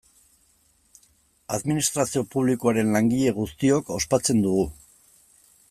Administrazio publikoaren langile guztiok ospatzen dugu.